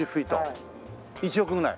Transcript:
１億ぐらい？